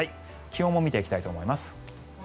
気温も見ていきたいと思います。